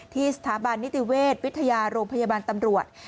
สถาบันนิติเวชวิทยาโรงพยาบาลตำรวจ